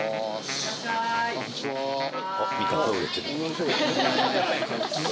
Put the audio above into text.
いらっしゃいませ。